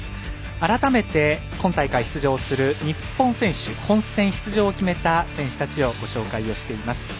改めて、今大会出場する日本選手、本戦出場を決めた選手たちをご紹介をしています。